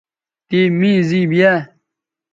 تِے می زِیب یاء